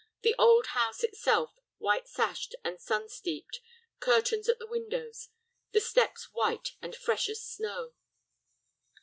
The old house itself, white sashed and sun steeped, curtains at the windows, the steps white and fresh as snow.